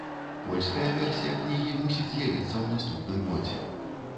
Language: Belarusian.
Польская версія кнігі мусіць з'явіцца ў наступным годзе.